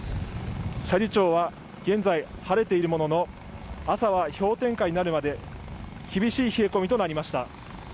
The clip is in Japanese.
斜里町は現在晴れているものの朝は氷点下になるまで厳しい冷え込みとなりました。